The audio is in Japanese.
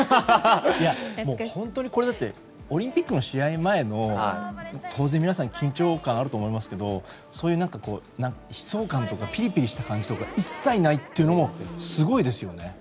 いや、本当にオリンピックの試合前の当然、皆さん緊張感あると思いますけどそういう、悲壮感とかピリピリした感じというのが一切ないというのもすごいですよね。